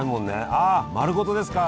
ああ丸ごとですか！